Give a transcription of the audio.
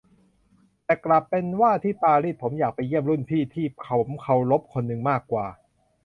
แต่กลับเป็นว่าที่ปารีสผมอยากไปเยี่ยมรุ่นพี่ที่ผมเคารพคนหนึ่งมากกว่า